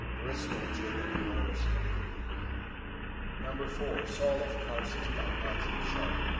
(Bristol: J. W. Arrowsmith.) (4) Saul of Tarsus. By Isaac Sharp.